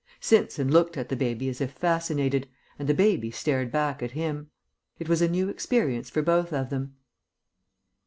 Simpson looked at the baby as if fascinated, and the baby stared back at him. It was a new experience for both of them.